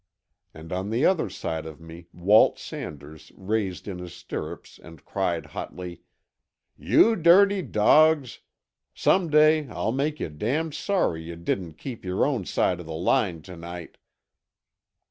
And on the other side of me Walt Sanders raised in his stirrups and cried hotly: "You dirty dogs! Some day I'll make yuh damned sorry yuh didn't keep your own side of the line to night."